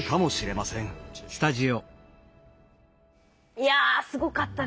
いやすごかったですね。